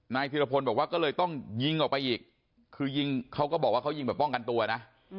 ธิรพลบอกว่าก็เลยต้องยิงออกไปอีกคือยิงเขาก็บอกว่าเขายิงแบบป้องกันตัวนะ